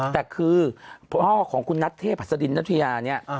แต่คือพ่อของคุณนัทเทพหัสดินนัทยาเนี่ย